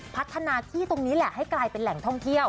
พัฒนาที่ตรงนี้แหละให้กลายเป็นแหล่งท่องเที่ยว